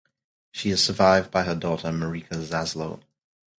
She is survived by her daughter, Marika Zaslow.